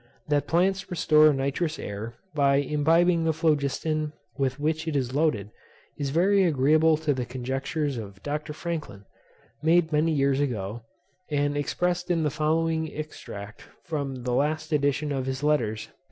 That plants restore noxious air, by imbibing the phlogiston with which it is loaded, is very agreeable to the conjectures of Dr. Franklin, made many years ago, and expressed in the following extract from the last edition of his Letters, p.